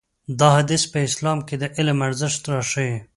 دا حديث په اسلام کې د علم ارزښت راښيي.